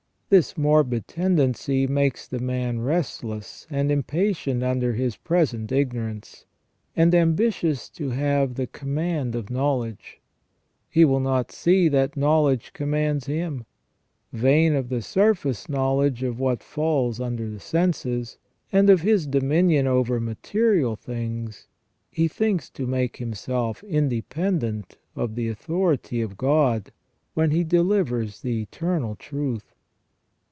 This morbid tendency makes the man restless and impatient under his present ignorance, 256 PVHV MAN WAS NOT CREATED PERFECT and ambitious to have the command of knowledge. He will not see that knowledge commands him. Vain of the surface know ledge of what falls under the senses, and of his dominion over material things, he thinks to make himself independent of the authority of God, when He delivers the eternal truth.